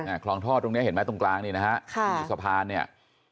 คลองท่อตรงเนี้ยเห็นไหมตรงกลางนี่นะฮะค่ะที่สะพานเนี่ย